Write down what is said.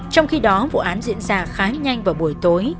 trong khi đó vụ án diễn ra khá nhanh vào buổi tối